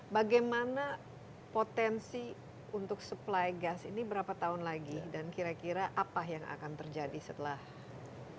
bagaimana potensi untuk supply gas ini berapa tahun lagi dan kira kira apa yang akan terjadi setelah ini